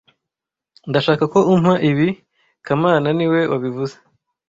Ndashaka ko umpa ibi kamana niwe wabivuze